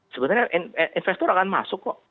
sebenarnya investor akan masuk kok